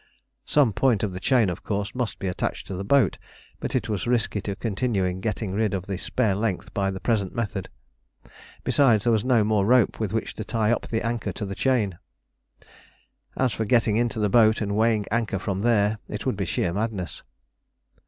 Some point of the chain, of course, must be attached to the boat, but it was risky to continue getting rid of the spare length by the present method. Besides, there was no more rope with which to tie up the anchor to the chain. As for getting into the boat and weighing anchor from there, it would be sheer madness.